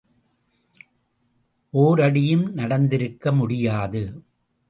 ஓரடியும் நடந்திருக்க முடியாது.